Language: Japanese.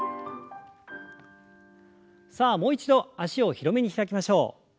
さあもう一度脚を広めに開きましょう。